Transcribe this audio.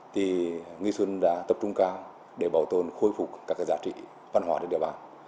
thì nghi xuân đã tập trung cao để bảo tồn khôi phục các giá trị văn hóa trên địa bàn